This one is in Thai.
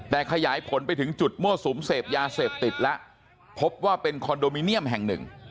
แต่ขยายผลไปถึงจุดมั่วสุมเสพยาเสพติดแล้วพบว่าเป็นคอนโดมิเนียมแห่งหนึ่ง